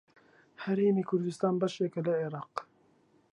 هەرێمی کوردستان بەشێکە لە عێراق.